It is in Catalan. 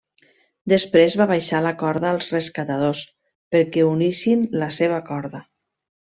Després va baixar la corda als rescatadors, perquè unissin la seva corda.